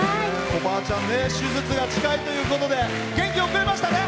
おばあちゃん手術が近いということで元気を送れましたね。